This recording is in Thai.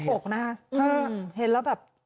จุกปกนะครับ